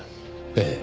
ええ。